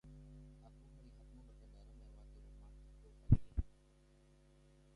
Aku melihatmu berkendara melewati rumahku pagi ini.